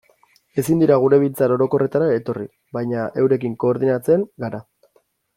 Ezin dira gure biltzar orokorretara etorri, baina eurekin koordinatzen gara.